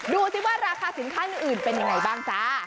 ดูสิว่าราคาสินค้าอื่นเป็นยังไงบ้างจ้า